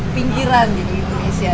pinggiran di indonesia